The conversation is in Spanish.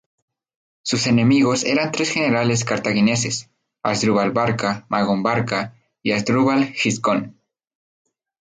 Sus enemigos eran tres generales cartagineses, Asdrúbal Barca, Magón Barca y Asdrúbal Giscón.